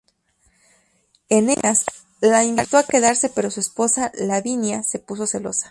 Eneas la invitó a quedarse, pero su esposa Lavinia se puso celosa.